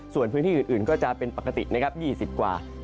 ส่วนพื้นที่อื่นก็จะเป็นปกตินะครับ๒๐กว่า